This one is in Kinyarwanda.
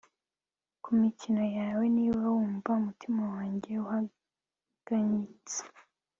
ku mikino yawe ... niba numva umutima wanjye uhangayitse